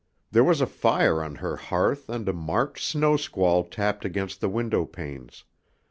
There was a fire on her hearth and a March snow squall tapped against the window panes.